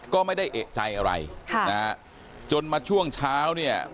ก็ไม่ได้เอะใจอะไรจนมาช่วงเช้า